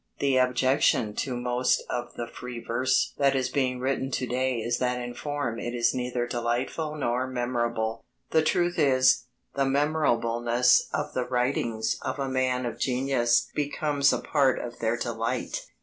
The objection to most of the "free verse" that is being written to day is that in form it is neither delightful nor memorable. The truth is, the memorableness of the writings of a man of genius becomes a part of their delight.